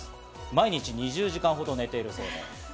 毎日２０時間ほど寝ているそうです。